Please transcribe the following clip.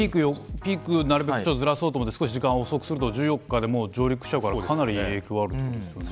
ピークをなるべくずらそうと思って、少し時間を遅くするとか１４日でもかなり影響があるということですかね。